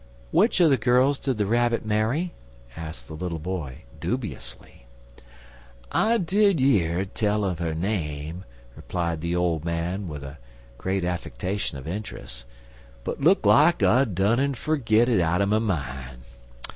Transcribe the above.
"Which of the girls did the Rabbit marry?" asked the little boy, dubiously. "I did year tell un 'er name," replied the old man, with a great affectation of interest, "but look like I done gone en fergit it out'n my mine.